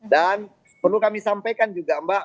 dan perlu kami sampaikan juga mbak